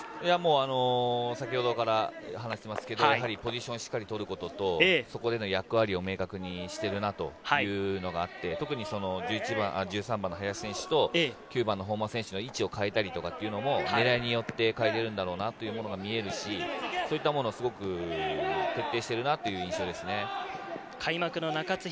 先ほどから話してますけれどポジションをしっかり取ることと、そこでの役割を明確にしているなというのがあって、特に、林選手と本間選手の位置を変えたりとかっていうのも狙いによって変えれるんだろうなっていうのが見えるし、そういったものをすごく徹底しているなという印象です。